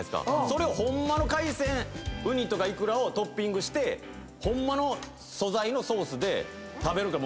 それをホンマの海鮮うにとかいくらをトッピングしてホンマの素材のソースで食べるから。